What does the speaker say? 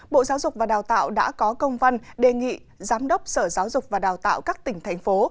bộ giáo dục và đào tạo đã có công văn đề nghị giám đốc sở giáo dục và đào tạo các tỉnh thành phố